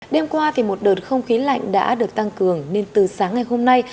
đêm qua thì một đợt không khí lạnh đã được tăng cường nên từ sáng ngày hôm nay